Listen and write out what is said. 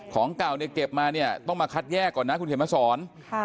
ของเก่าเก็บมาต้องมาคัดแยกก่อนนะคุณเขมรสร